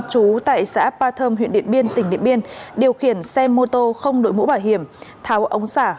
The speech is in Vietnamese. trú tại xã appatham huyện điện biên tỉnh điện biên điều khiển xe mô tô không đổi mũ bảo hiểm tháo ống xả